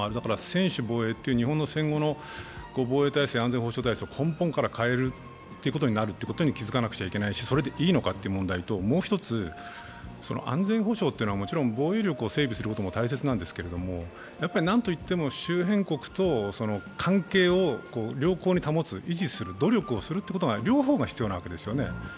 専守防衛という日本の戦後の安全保障体制を根本から変えるということになるということに気付かなくちゃいけないしそれでいいのかという問題ともう一つ、安全保障というのはもちろん防衛力整備も大切なんですけれども何といっても周辺国と関係を良好に保つ、維持する、努力をする、両方が必要なわけですよね。